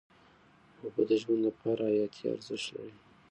اوبه د ژوند لپاره حیاتي ارزښت لري.